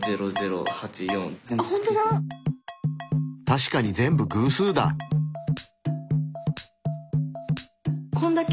確かに全部偶数だ！